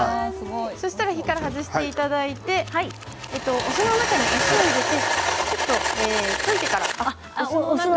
そうしたら火から外していただいてお酢の中にお塩を入れてちょっと溶いてから。